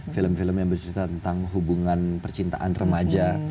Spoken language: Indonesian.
film film yang bercerita tentang hubungan percintaan remaja